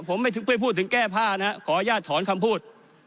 ผมไม่ถึงพูดถึงแก้พ่านะฮะขออนุญาตถอนคำพูด